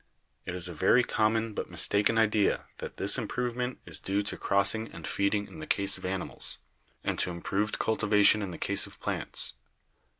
It is a very common but mistaken idea that this improve ment is due to crossing and feeding in the case of animals, and to improved cultivation in the case of plants.